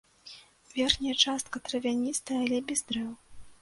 Верхняя частка травяністая, але без дрэў.